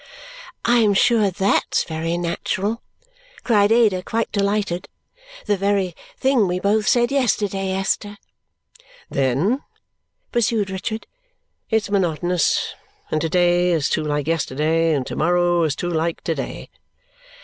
"I am sure THAT'S very natural!" cried Ada, quite delighted. "The very thing we both said yesterday, Esther!" "Then," pursued Richard, "it's monotonous, and to day is too like yesterday, and to morrow is too like to day."